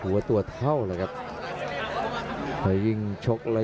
พยายามจะไถ่หน้านี่ครับการต้องเตือนเลยครับ